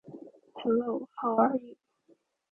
Hello. How are you?